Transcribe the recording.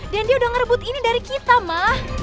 dan dia udah ngerebut ini dari kita ma